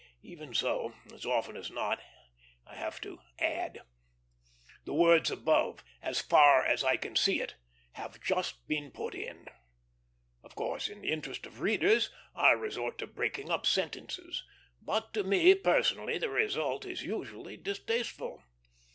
Even so, as often as not, I have to add. The words above, "as far as I can see it," have just been put in. Of course, in the interest of readers, I resort to breaking up sentences; but to me personally the result is usually distasteful.